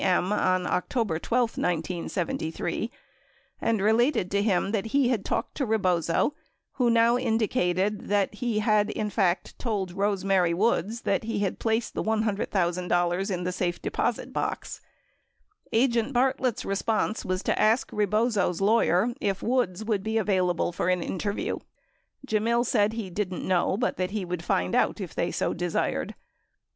m. on October 12, 1973, and related to him that he had talked to Rebozo who now indicated that he in fact had told Rose Mary Woods that he had placed the $100,000 in the safe deposit box. Agent Bartlett's response was to ask Rebozo's lawyer if Woods would be available for an interview. Gemmill said he didn't know but that he would find out if they so desired.